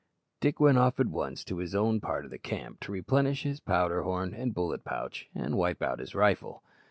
Dick went off at once to his own part of the camp to replenish his powder horn and bullet pouch, and wipe out his rifle.